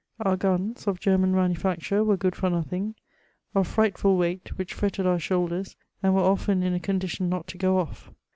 Our guns, of Grerman manufacture, were good for nothing; of frightful weight, which fretted our shoulders, and were often in a condition not to g^ off.